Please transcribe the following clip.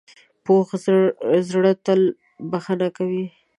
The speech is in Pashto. پوخ زړه تل بښنه کوي